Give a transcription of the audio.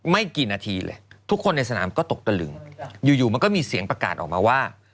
ไม่กี่นาทีเลยทุกคนในสนามก็ตกตะลึงอยู่มันก็มีเสียงประกาศออกมาว่า